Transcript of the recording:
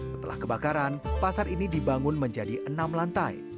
setelah kebakaran pasar ini dibangun menjadi enam lantai